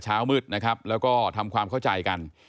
เช้ามืดนะครับแล้วก็ทำความเข้าใจกัน